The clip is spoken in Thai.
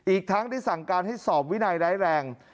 อีกทั้งได้สั่งการให้สอบวินัยร้ายแรง